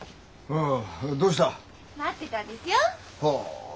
うん？